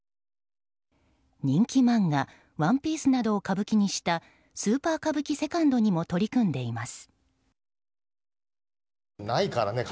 人気漫画「ＯＮＥＰＩＥＣＥ」などを歌舞伎にした「スーパー歌舞伎セカンド」にも取り組んでいます。